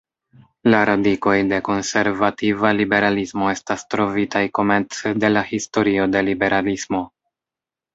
La radikoj de konservativa liberalismo estas trovitaj komence de la historio de liberalismo.